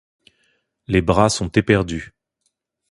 Les bras sont éperdus.